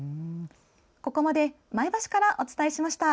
ここまで前橋からお伝えしました。